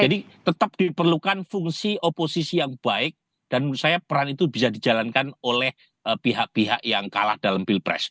jadi tetap diperlukan fungsi oposisi yang baik dan menurut saya peran itu bisa dijalankan oleh pihak pihak yang kalah dalam pilpres